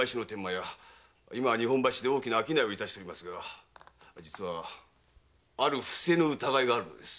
今日本橋で大きな商いをしておりますが実はある不正の疑いがあるのです。